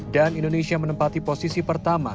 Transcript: dan indonesia menempati posisi pertama